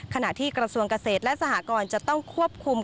ขณะที่กระทรวงเกษตรและสหกรณ์จะต้องควบคุม